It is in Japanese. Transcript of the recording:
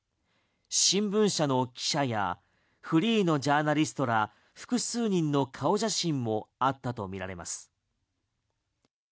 新聞社の記者やフリーのジャーナリストら複数人の顔写真もあったとみられます。